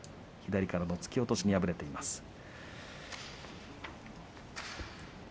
左からの突き落としに敗れています。